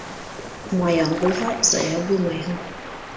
Маяң булһа зая булмайһың.